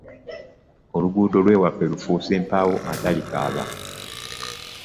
Oluguudo lw'ewaffe lufuuse mpaawo atalikaaba.